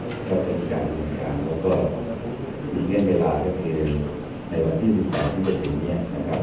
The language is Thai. ก็เป็นการอุณหาแล้วก็มีเงื่อนเวลาในวันที่สุดยอดที่จะเป็นเนี้ยนะครับ